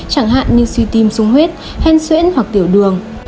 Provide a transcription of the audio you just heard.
chẳng hạn như suy tim sung huyết hen xuyễn hoặc tiểu đường